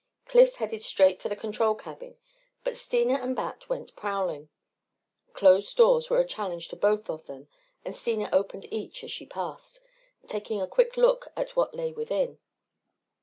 Cliff headed straight for the control cabin but Steena and Bat went prowling. Closed doors were a challenge to both of them and Steena opened each as she passed, taking a quick look at what lay within.